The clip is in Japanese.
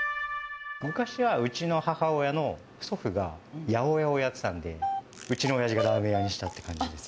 昔はうちの母親の祖父が八百屋をやってたんで、うちのおやじがラーメン屋にしたって感じです。